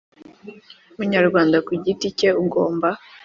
Munyarwanda ku giti cye ugomba